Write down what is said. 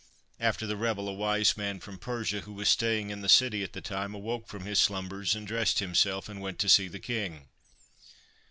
After the revel a wise man from Persia, who was staying in the city at the time, awoke from his slumbers and dressed himself, and went to see the King.